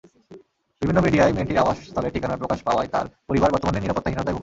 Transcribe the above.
বিভিন্ন মিডিয়ায় মেয়েটির আবাসস্থলের ঠিকানা প্রকাশ পাওয়ায় তাঁর পরিবার বর্তমানে নিরাপত্তাহীনতায় ভুগছে।